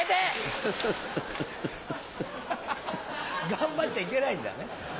頑張っちゃいけないんだね。